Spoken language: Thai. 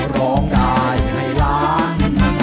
ร้องได้ให้ล้าน